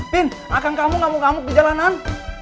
pin akan kamu ngamuk ngamuk di jalanan